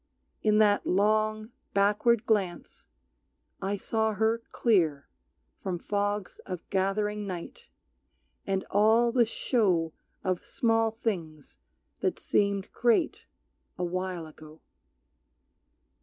In that long, backward glance I saw her clear From fogs of gathering night, and all the show Of small things that seemed great a while ago.